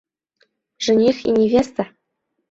«ЖЕНИХ И НЕВЕСТА»